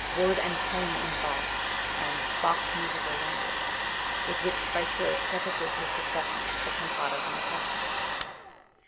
'*, "Word and Tone in Bach", and "Bach's Musical Language" with which Schweitzer prefaces his discussion of the cantatas and the Passions?